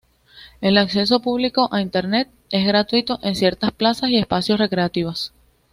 El acceso público a Internet es gratuito en ciertas plazas y espacios recreativos.